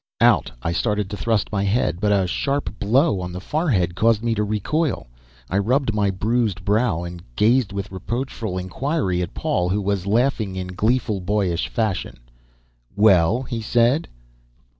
Out I started to thrust my head, but a sharp blow on the forehead caused me to recoil. I rubbed my bruised brow and gazed with reproachful inquiry at Paul, who was laughing in gleeful, boyish fashion. "Well?" he said.